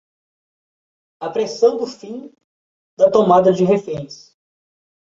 Apressando o fim da tomada de reféns